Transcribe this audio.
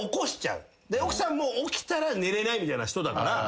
で奥さんも起きたら寝れないみたいな人だから。